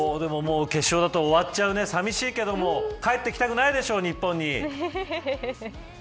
決勝だと終わっちゃうね寂しいけど帰ってきたくないでしょう日本に。